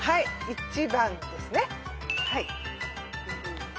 １番ですね。